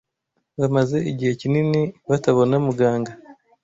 bamaze igihe kinini batabona Muganga